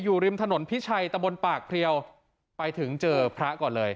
อยู่ริมถนนพิชัยตะบนปากเพลียวไปถึงเจอพระก่อนเลย